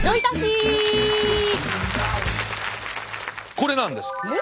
これなんです。